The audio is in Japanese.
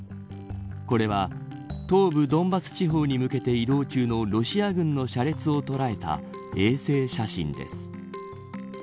これは東部ドンバス地方に向けて移動中のロシア軍の車列を捉えた衛星写真です。